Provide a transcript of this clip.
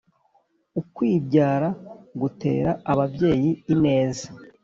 ukwibyara gutera ababyeyi ineza,